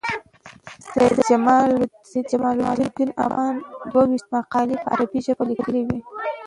سید جمال الدین افغان دوه ویشت مقالي په عربي ژبه لیکلي دي.